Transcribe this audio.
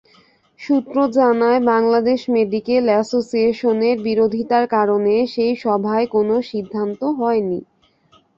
সূত্র জানায়, বাংলাদেশ মেডিকেল অ্যাসোসিয়েশনের বিরোধিতার কারণে সেই সভায় কোনো সিদ্ধান্ত হয়নি।